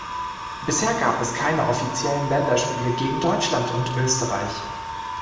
Bisher gab es keine offiziellen Länderspiele gegen Deutschland und Österreich.